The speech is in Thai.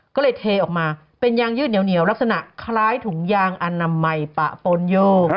ก็เลยเทออกมาเป็นยางยืดเหนียวลักษณะคล้ายถุงยางอนามัยปะปนโยก